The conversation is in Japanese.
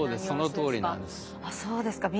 そのとおりなんです。